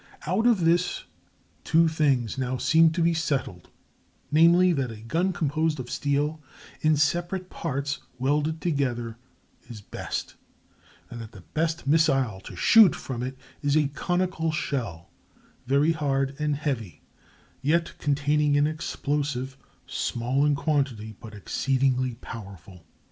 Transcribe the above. Out of this two things seem now to be settled: namely, that a gun composed of steel in separate parts welded together is best, and that the best missile to shoot from it is a conical shell, very hard and heavy, yet containing an explosive small in quantity but exceedingly powerful.